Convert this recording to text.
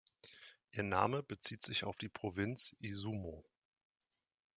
Ihr Name bezieht sich auf die Provinz Izumo.